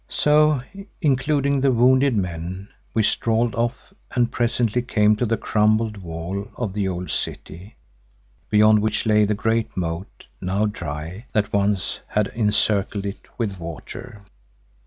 So, including the wounded men, we strolled off and presently came to the crumbled wall of the old city, beyond which lay the great moat now dry, that once had encircled it with water.